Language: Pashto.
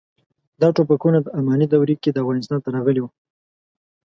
دا ټوپکونه د اماني دورې کې افغانستان ته راغلي وو.